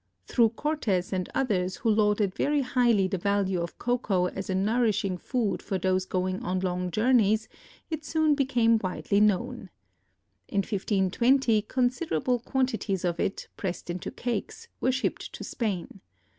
Through Cortez and others who lauded very highly the value of cocoa as a nourishing food for those going on long journeys, it soon became widely known. In 1520 considerable quantities of it, pressed into cakes, were shipped to Spain.